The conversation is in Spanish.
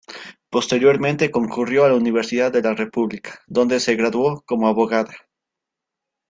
Posteriormente concurrió a la Universidad de la República, donde se graduó como abogada.